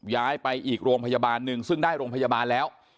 ย้ายไปอีกโรงพยาบาลหนึ่งซึ่งได้โรงพยาบาลแล้ว